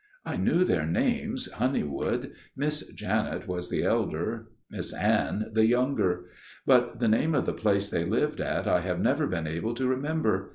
"I knew their names, Honeywood; Miss Janet was the elder, Miss Anne the younger. But the name of the place they lived at I have never been able to remember.